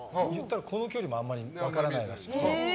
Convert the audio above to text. この距離も分からないらしくて。